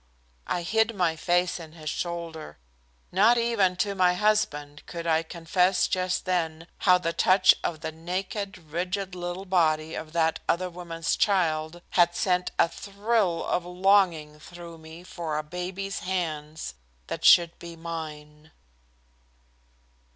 I hid my face in his shoulder. Not even to my husband could I confess just then how the touch of the naked, rigid little body of that other woman's child had sent a thrill of longing through me for a baby's hands that should be mine.